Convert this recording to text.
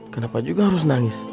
kenapa juga harus nangis